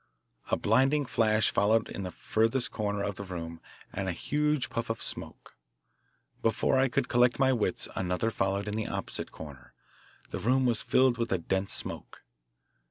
A blinding flash followed in the farthest corner of the room and a huge puff of smoke. Before I could collect my wits another followed in the opposite corner. The room was filled with a dense smoke.